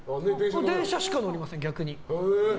電車しか乗りません、逆に。